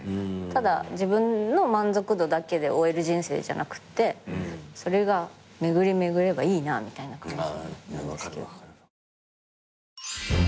ただ自分の満足度だけで終える人生じゃなくってそれが巡り巡ればいいなみたいな感じ。